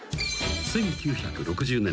［１９６０年代。